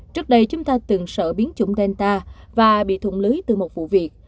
tại chúng ta từng sợ biến chủng delta và bị thụng lưới từ một vụ việc